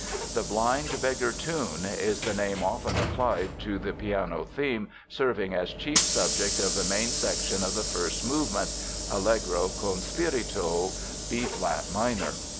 The "blind beggar tune" is the name often applied to the piano theme serving as chief subject of the main section of the first movement (Allegro con spirito, B flat minor).